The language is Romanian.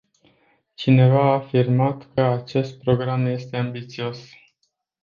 Cineva a afirmat că acest program este ambițios.